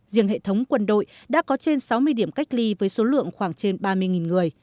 riêng hệ thống quân đội đã có trên sáu mươi điểm cách ly với số lượng khoảng trên ba mươi người